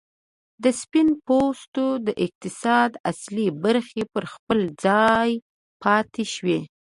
د سپین پوستو د اقتصاد اصلي برخې پر خپل ځای پاتې شوې.